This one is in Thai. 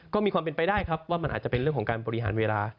ก็มีความเป็นไปได้ครับว่ามันอาจจะเป็นเรื่องของการบริหารเวลา